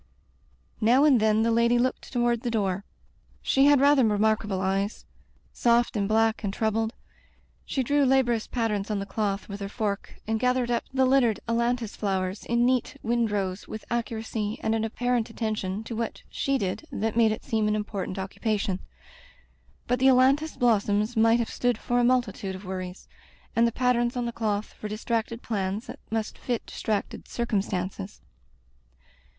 Now and then the lady looked toward the door. She had rather remarkable eyes — soft Digitized by LjOOQ IC Interventions and black and troubled. She drew laborious patterns on the cloth with her fork and gath ered up the littered ailantus flowers in neat windrows with accuracy and an apparent at tention to what she did that made it seem an important occupation; but the ailantus blos soms might have stood for a multitude of worries, and the patterns on the cloth for dis tracted plans that must fit distracted circum stances.